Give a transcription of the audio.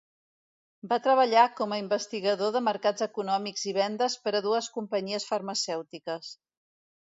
Va treballar com a investigador de mercats econòmics i vendes per a dues companyies farmacèutiques.